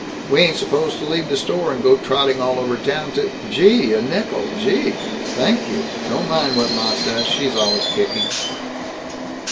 We ain't supposed to leave the store and go trotting all over town to Gee, a nickel, gee, thank you, don't mind what ma says, she's always kicking."